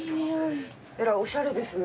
えらいおしゃれですね。